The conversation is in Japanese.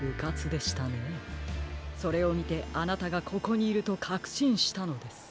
それをみてあなたがここにいるとかくしんしたのです。